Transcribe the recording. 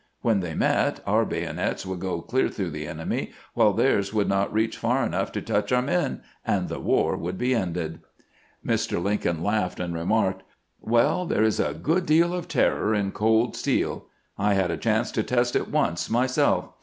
When they met, our bayonets would go clear through the enemy, while theirs would not reach far enough to touch our men, and the war would be ended." Mr. Lincoln laughed, and remarked :" Well, there is GRANT STARTS ON HIS LAST CAMPAIGN 425 a good deal of terror in cold steel. I had a chance to test it once myself.